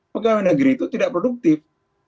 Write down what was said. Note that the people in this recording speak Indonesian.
pegawai negeri itu tidak produktif